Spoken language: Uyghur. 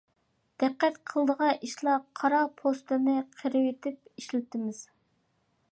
دىققەت قىلىدىغان ئىشلار قارا پوستىنى قىرىۋېتىپ ئىشلىتىمىز.